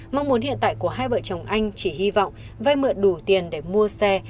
mong muốn hiện tại của hai vợ chồng anh chỉ hy vọng vay mượn đủ tiền để mua xe